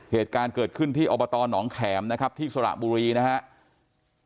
เหตุการณ์เกิดขึ้นที่อบตหนองแขมนะครับที่สระบุรีนะครับ